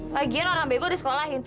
lagian orang bego disekolahin